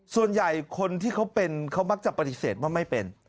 ส่วนใหญ่คนที่เขาเป็นเขามักจะปฏิเสธว่าไม่เป็น